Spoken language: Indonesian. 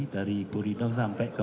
dari gurido sampai ke